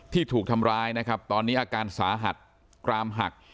ถูกทำร้ายนะครับตอนนี้อาการสาหัสกรามหัก